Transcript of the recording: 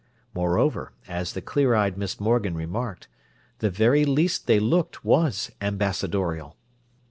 Moreover, as the clear eyed Miss Morgan remarked, the very least they looked was ambassadorial.